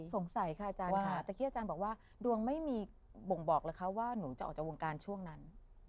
สงสัยค่ะอาจารย์ค่ะตะกี้อาจารย์บอกว่าดวงไม่มีบ่งบอกเหรอคะว่าหนูจะออกจากวงการช่วงนั้น